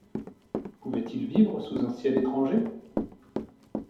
Pouvait-il vivre sous un ciel étranger?